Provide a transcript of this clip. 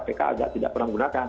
biasanya kpk tidak pernah menggunakan